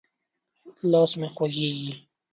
لاس مې خوږېږي.